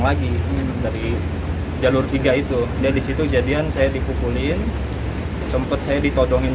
lagi dari jalur tiga itu dari situ jadian saya dipukulin sempat saya ditodongin